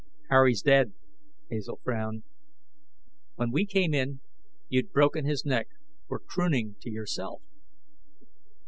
"Harry's dead," Hazel frowned. "When we came in, you'd broken his neck, were crooning to yourself."